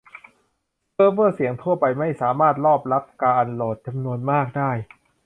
เซิร์ฟเวอร์เสียงทั่วไปไม่สามารถรอบรับการโหลดจำนวนมากได้